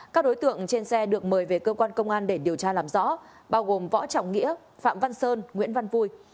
các đối tượng trên xe được mời về cơ quan công an để điều tra làm rõ bao gồm võ trọng nghĩa phạm văn sơn nguyễn văn vui